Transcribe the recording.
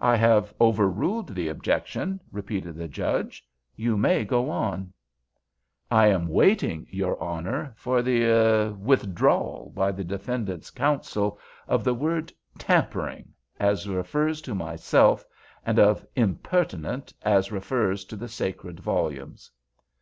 "I have overruled the objection," repeated the Judge; "you may go on." "I am waiting, your Honor, for the—er—withdrawal by the defendant's counsel of the word 'tampering,' as refers to myself, and of 'impertinent,' as refers to the sacred volumes."